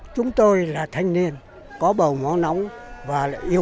chúng tôi là thanh niên có bầu máu nóng và lại yêu